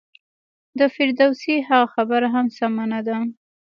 د فردوسي هغه خبره هم سمه نه ده.